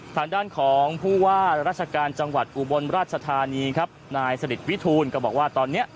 ทางด้านของผู้ว่าราชการจังหวัดอุบลราชธานีครับนายสนิทวิทูลก็บอกว่าตอนนี้